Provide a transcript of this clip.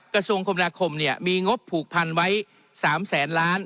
กระทรวงคมนาคมเนี่ยมีงบผูกพันไว้๓แสนล้าน